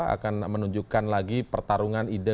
akan menunjukkan lagi pertarungan ide